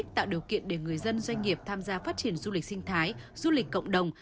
cho người dân doanh nghiệp tham gia phát triển du lịch sinh thái du lịch cộng đồng